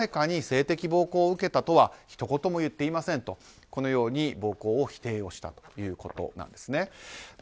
私は誰かに性的暴行を受けたとはひと言も言っていませんと暴行を否定したということです。